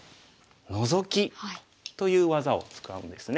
ノゾキという技を使うんですね。